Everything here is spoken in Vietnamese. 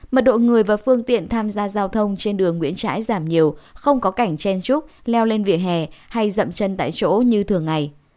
mật độ người và phương tiện tham gia giao thông trên đường nguyễn trãi giảm nhiều không có cảnh chen trúc leo lên vỉa hè hay rậm chân tại chỗ như thường ngày